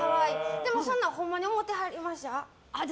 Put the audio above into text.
でもそんなんほんまに思ってはりました？